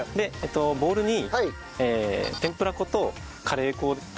ボウルに天ぷら粉とカレー粉と水ですね。